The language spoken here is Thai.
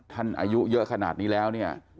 อายุเยอะขนาดนี้แล้วเนี่ย